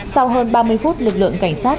sau hơn ba mươi phút lực lượng cảnh sát